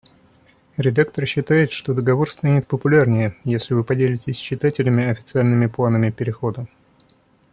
Редактор считает, что договор станет популярнее, если вы поделитесь с читателями официальными планами перехода.